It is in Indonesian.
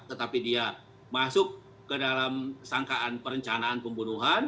tetapi dia masuk ke dalam sangkaan perencanaan pembunuhan